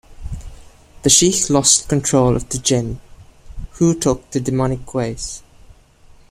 The sheikh lost control of the jinn, who took to demonic ways.